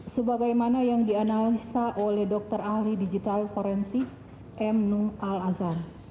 sebagai mana yang dianalisa oleh dokter ahli digital forensik m nung al azhar